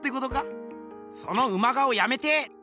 そのウマ顔やめて！